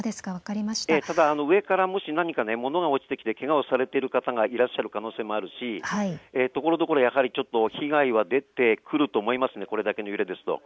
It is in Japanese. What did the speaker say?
ただ上からもし何か物が落ちてけがをされている方がいらっしゃる可能性もあるしところどころ被害は出てくると思います、これだけの揺れだと。